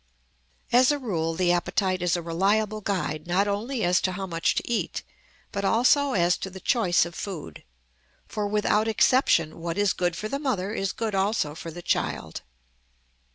As a rule the appetite is a reliable guide not only as to how much to eat, but also as to the choice of food, for without exception what is good for the mother is good also for the child.